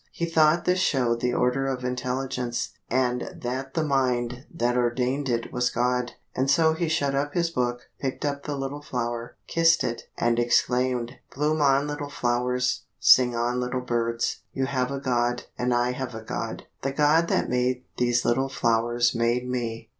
He thought this showed the order of intelligence, and that the mind that ordained it was God. And so he shut up his book, picked up the little flower, kissed it, and exclaimed: "_Bloom on little flowers; sing on little birds; you have a God, and I have a God; the God that made these little flowers made me_."